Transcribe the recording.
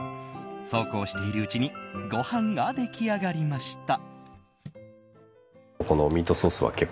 そうこうしているうちにご飯が出来上がりました。